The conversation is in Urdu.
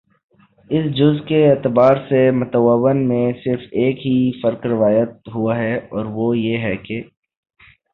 اس جز کے اعتبار سے متون میں صرف ایک ہی فرق روایت ہوا ہے اور وہ یہ ہے کہ